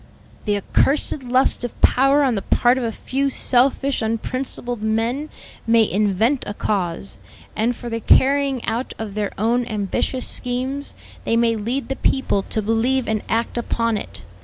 "The accursed lust of power on the part of a few selfish, unprincipled men, may invent a cause, and for the carrying out of their own ambitious schemes, they may lead the people to believe and act upon it.